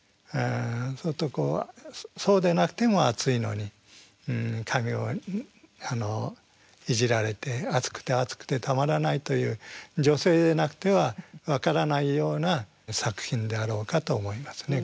そうするとこうそうでなくても暑いのに髪をいじられて暑くて暑くてたまらないという女性でなくては分からないような作品であろうかと思いますね